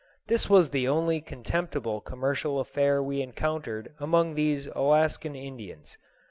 This was the only contemptible commercial affair we encountered among these Alaskan Indians.